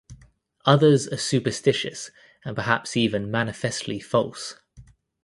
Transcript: Others are superstitious and perhaps even manifestly false.